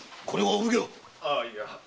ああいや。